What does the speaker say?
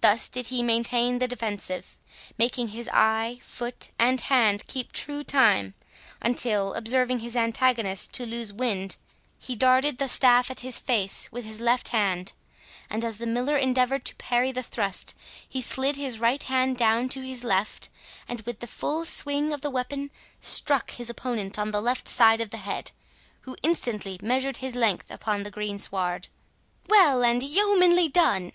Thus did he maintain the defensive, making his eye, foot, and hand keep true time, until, observing his antagonist to lose wind, he darted the staff at his face with his left hand; and, as the Miller endeavoured to parry the thrust, he slid his right hand down to his left, and with the full swing of the weapon struck his opponent on the left side of the head, who instantly measured his length upon the green sward. "Well and yeomanly done!"